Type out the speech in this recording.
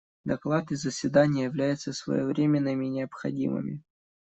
Доклад и заседание являются своевременными и необходимыми.